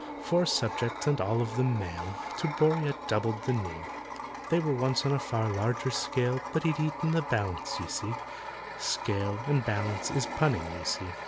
Four subjects, and all of them male, To BORRIA doubled the knee, They were once on a far larger scale, But he'd eaten the balance, you see ("Scale" and "balance" is punning, you see).